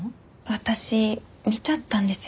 私見ちゃったんですよね。